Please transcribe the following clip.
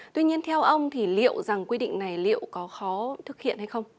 tuy nhiên theo ông thì liệu rằng quy định này có khó thực hiện hay không